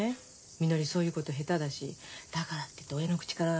みのりそういうこと下手だしだからって親の口から言うのも変でしょ。